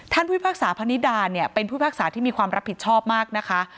ผู้พิพากษาพนิดาเนี่ยเป็นผู้พิพากษาที่มีความรับผิดชอบมากนะคะ